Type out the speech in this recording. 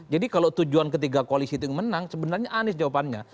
jadi kalau tujuan ketiga koalisi itu yang menang sebenarnya anies jawabannya